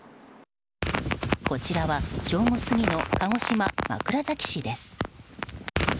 こちらは正午過ぎの鹿児島・枕崎市です。